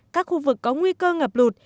các khu vực có nguy cơ ngập lụt